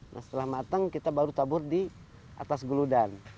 nah setelah matang kita baru tabur di atas guludan